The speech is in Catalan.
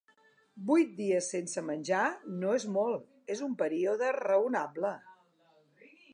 Vuit dies sense menjar no és molt, és un període raonable.